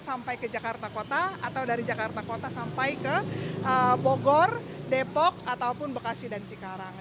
sampai ke jakarta kota atau dari jakarta kota sampai ke bogor depok ataupun bekasi dan cikarang